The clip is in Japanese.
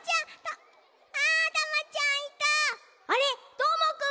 どーもくん！